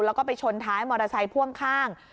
แล้วก็ไปชนท้ายมอเตอร์ไซค์พ่วงข้าง